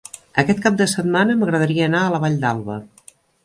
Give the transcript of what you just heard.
Aquest cap de setmana m'agradaria anar a la Vall d'Alba.